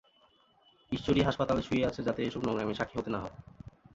ঈশ্বরী হাসপাতালে শুয়ে আছে যাতে এসব নোংরামির সাক্ষী হতে না হয়।